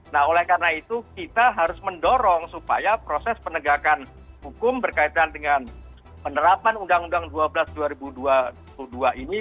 nah oleh karena itu kita harus mendorong supaya proses penegakan hukum berkaitan dengan penerapan undang undang dua belas dua ribu dua puluh dua ini